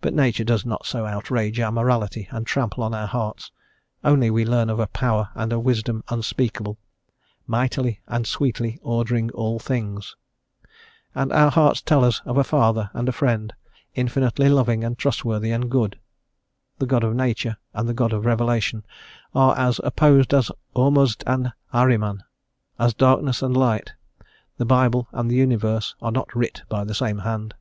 But nature does not so outrage our morality and trample on our hearts; only we learn of a power and wisdom unspeakable, "mightily and sweetly ordering all things," and our hearts tell of a Father and a Friend, infinitely loving, and trustworthy, and good. The God of Nature and the God of Revelation are as opposed as Ormuzd and Ahriman, as darkness and light; the Bible and the universe are not writ by the same hand.